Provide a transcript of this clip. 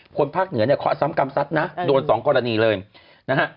ภาคเหนือเนี่ยเคาะซ้ำกรรมซัดนะโดนสองกรณีเลยนะฮะ